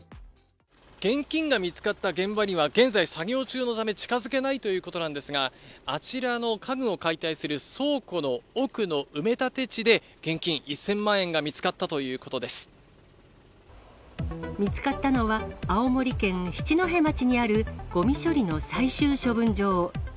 現金が見つかった現場には、現在作業中のため、近づけないということなんですが、あちらの家具を解体する倉庫の奥の埋め立て地で、現金１０００万見つかったのは、青森県七戸町にあるごみ処理の最終処分場。